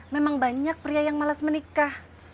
memang banyak pria yang malas menikah